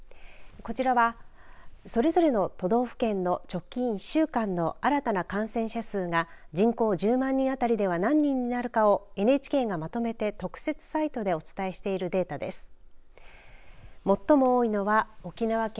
こちらは、それぞれの都道府県の直近１週間の新たな感染者数が人口１０万人あたりでは何人になるかをＮＨＫがまとめて特設サイトでお伝えしているデータです。